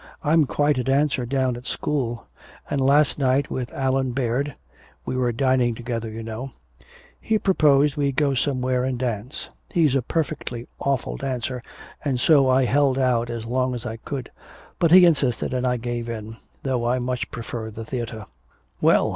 "I'm quite a dancer down at school. And last night with Allan Baird we were dining together, you know he proposed we go somewhere and dance. He's a perfectly awful dancer, and so I held out as long as I could. But he insisted and I gave in, though I much prefer the theater." "Well!"